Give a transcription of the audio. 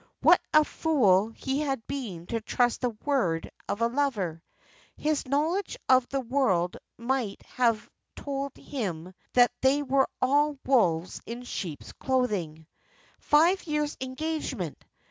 What a fool he had been to trust the word of a lover! His knowledge of the world might have told him that they were all wolves in sheeps' clothing. Five years' engagement!